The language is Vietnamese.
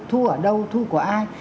thu ở đâu thu của ai